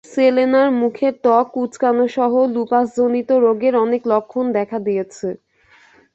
সেলেনার মুখের ত্বক কুঁচকানোসহ লুপাস জনিত রোগের অনেক লক্ষণ দেখা দিয়েছে।